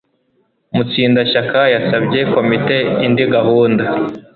Mutsindashyaka yasabye komite indi gahunda.